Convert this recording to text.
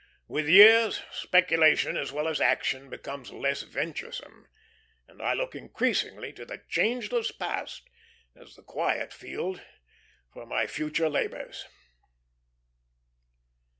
With years, speculation as well as action becomes less venturesome, and I look increasingly to the changeless past as the quiet field for my future labors.